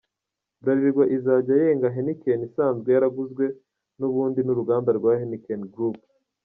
Bralirwa izajya yenga Heineken isanzwe yaraguzwe n’ubundi n’uruganda rwa Heinken Group.